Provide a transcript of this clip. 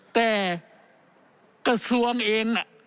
แต่กระทรวงเอง